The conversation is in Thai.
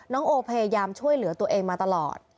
น้องโอพยายามช่วยเหลือตัวเองมาตลอด